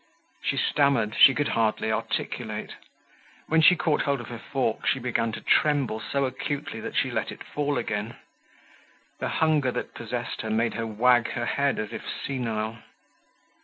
She stammered; she could hardly articulate. When she caught hold of her fork she began to tremble so acutely that she let it fall again. The hunger that possessed her made her wag her head as if senile.